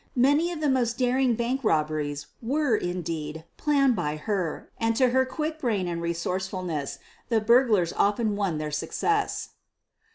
Many of the most daring bank robberies were, indeed, planned by her and to her quick brain and resourcefulness the burg lars often owed their success.